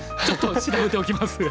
ちょっと調べておきます。